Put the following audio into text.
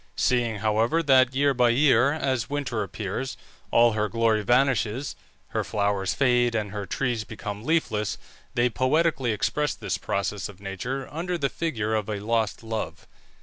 Seeing, however, that year by year, as winter appears, all her glory vanishes, her flowers fade, and her trees become leafless, they poetically expressed this process of nature under the figure of a lost love.